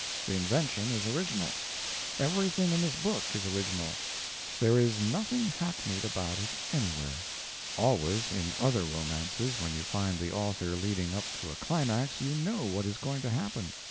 The invention is original. Everything in this book is original; there is nothing hackneyed about it anywhere. Always, in other romances, when you find the author leading up to a climax, you know what is going to happen.